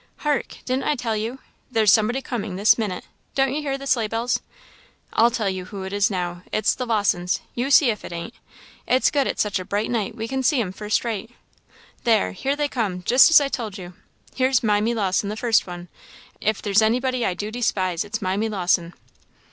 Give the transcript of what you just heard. Hark! didn't I tell you? there's somebody coming this minute; don't you hear the sleigh bells? I'll tell you who it is now; it's the Lawsons you see if it ain't. It's good it's such a bright night we can see 'em first rate. There here they come just as I told you here's Mimy Lawson the first one if there's anybody I do despise, it's Mimy Lawson."